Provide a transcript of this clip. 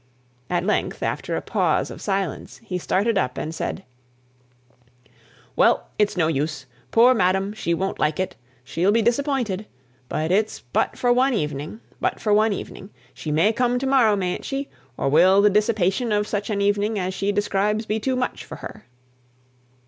At length, after a pause of silence, he started up, and said, "Well! it's no use. Poor madam; she won't like it. She'll be disappointed! But it's but for one evening! but for one evening! She may come to morrow, mayn't she? Or will the dissipation of such an evening as she describes, be too much for her?"